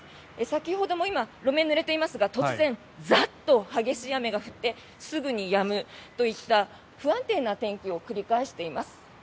先ほども今、路面がぬれていますが突然、ザッと激しい雨が降ってすぐにやむといった不安定な天気を繰り返しています。